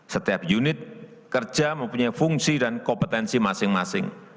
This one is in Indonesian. setiap unit kerja mempunyai fungsi dan kompetensi masing masing